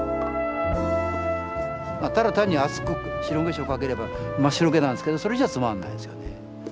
ただ単に厚く白化粧をかければ真っ白けなんですけどそれじゃあつまんないですよね。